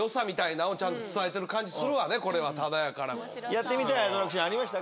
やってみたいアトラクションありました？